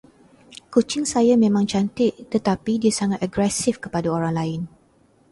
Kucing saya memang cantik tertapi dia sangat agresif kepada orang lain.